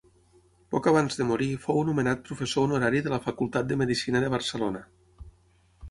Poc abans de morir fou nomenat professor honorari de la Facultat de Medicina de Barcelona.